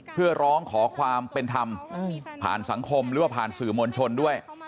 เพื่อร้องขอความเป็นธรรมผ่านสังคมหรือว่าผ่านสื่อมวลชนด้วย